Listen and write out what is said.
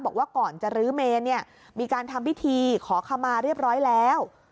บอกว่าก่อนจะรื้อเมนเนี่ยมีการทำพิธีขอขมาเรียบร้อยแล้ว